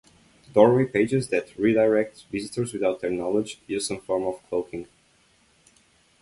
Doorway pages that redirect visitors without their knowledge use some form of cloaking.